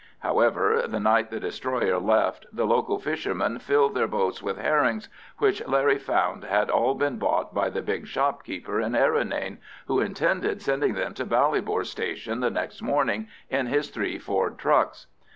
However, the night the destroyer left the local fishermen filled their boats with herrings, which Larry found had all been bought by the big shopkeeper in Errinane, who intended sending them to Ballybor Station the next morning in his three Ford trucks.